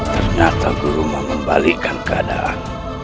ternyata guruma membalikkan keadaan